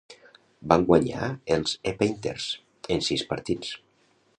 Van guanyar als E-Painters en sis partits.